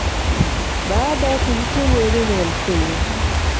Baada ya kuhitimu elimu ya msingi